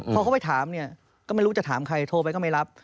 พอเขาไปถามเนี่ยก็ไม่รู้จะถามใครโทรไปก็ไม่รับ